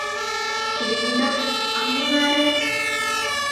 Tililindo ak mung'aret